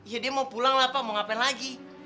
ya dia mau pulang lah pak mau ngapain lagi